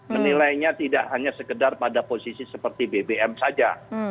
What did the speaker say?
menilainya tidak hanya sekedar pada posisi seperti bbm saja